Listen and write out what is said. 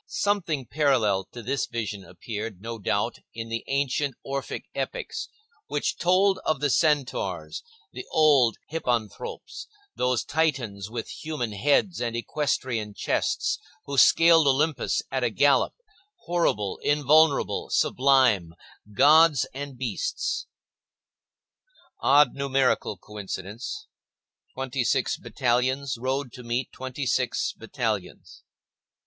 Something parallel to this vision appeared, no doubt, in the ancient Orphic epics, which told of the centaurs, the old hippanthropes, those Titans with human heads and equestrian chests who scaled Olympus at a gallop, horrible, invulnerable, sublime—gods and beasts. Odd numerical coincidence,—twenty six battalions rode to meet twenty six battalions.